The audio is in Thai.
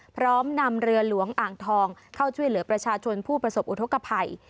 พร้อมนำเรือหลวงอ่างทองเข้าช่วยเหลือประชาชนผู้ประสบอุทธกภัย